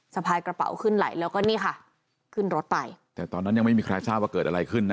สะพายกระเป๋าขึ้นไหลแล้วก็นี่ค่ะขึ้นรถไปแต่ตอนนั้นยังไม่มีใครทราบว่าเกิดอะไรขึ้นนะ